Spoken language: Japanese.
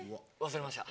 忘れました。